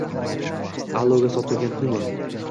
aldovga sotilgan qulman